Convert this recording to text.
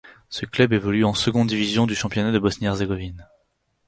Ce club évolue en seconde division du championnat de Bosnie-Herzégovine.